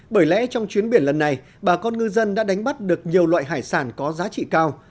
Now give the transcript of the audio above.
bởi lẽ trong chuyến biển lần này bà con ngư dân đã đánh bắt được nhiều loại hải sản có giá trị cao